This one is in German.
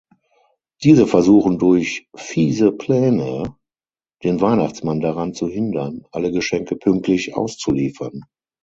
Diese versuchen durch fiese Pläne den Weihnachtsmann daran zu hindern, alle Geschenke pünktlich auszuliefern.